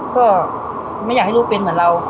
ก็ไม่อยากให้ลูกเป็นเหมือนเรา